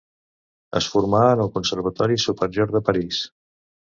Es formà en el Conservatori Superior de París.